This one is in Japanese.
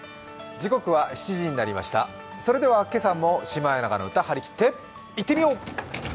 それでは今朝も「シマエナガの歌」張り切っていってみよう。